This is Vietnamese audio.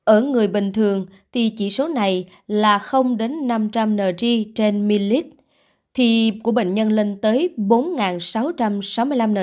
ở người bình thường thì chỉ số này là năm trăm linh ng trên millilit thì của bệnh nhân lên tới bốn sáu trăm sáu mươi năm ng trên millilit